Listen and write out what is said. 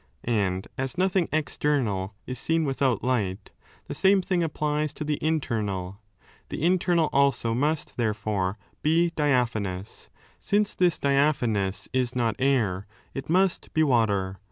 And as nothing external is seen without light, the same thing applies to the internal. The internal also must, therefore, be diaphanous. Since this diaphanous is not air, it must be water.